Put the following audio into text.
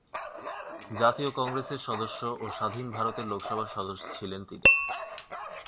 জাতীয় কংগ্রেসের সদস্য ও স্বাধীন ভারতের লোকসভার সদস্য ছিলেন তিনি।